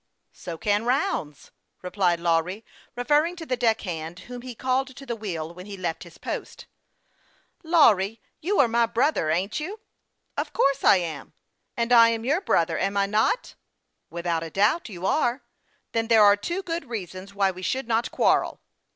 " So can Rounds," replied Lawry, referring to the deck hand whom he called to the wheel when he left his post. " Lawry, you are my Brother ain't you ?"" Of course I am." " And I am your 6rother am I not ?" 264 IIASTZ AND WASTE, OK " Without a doubt you are." " Then there are two good reasons why we should not quarrel."